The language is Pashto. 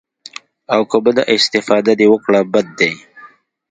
او که بده استفاده دې وکړه بد ديه.